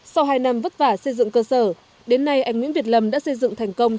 sau hai năm vất vả xây dựng cơ sở đến nay anh nguyễn việt lâm đã xây dựng thành công